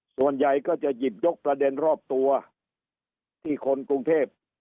ส่วนใหญ่ก็จะหยิบยกประเด็นรอบตัวที่คนกรุงเทพ